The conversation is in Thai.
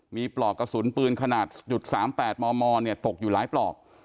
มีปลอกกระสุนปืนขนาด๓๘มมตกอยู่หลายปลอก